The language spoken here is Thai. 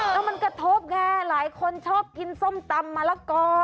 แล้วมันกระทบไงหลายคนชอบกินส้มตำมะละกอ